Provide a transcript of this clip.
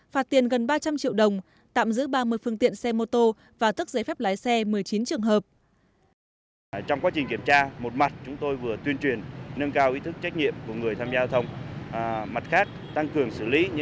phạt tiền gần ba trăm linh triệu đồng tạm giữ ba mươi phương tiện xe mô tô và tức giấy phép lái xe một mươi chín trường hợp